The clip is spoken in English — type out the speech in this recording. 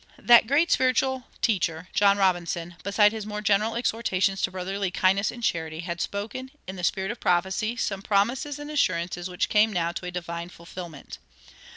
That great spiritual teacher, John Robinson, besides his more general exhortations to brotherly kindness and charity, had spoken, in the spirit of prophecy, some promises and assurances which came now to a divine fulfillment.